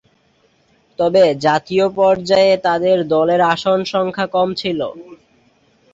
তবে জাতীয় পর্যায়ে তাদের দলের আসন সংখ্যা কম ছিল।